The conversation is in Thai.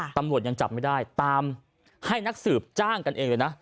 ตำรวจยังจับไม่ได้ตามให้นักสืบจ้างกันเองเลยนะ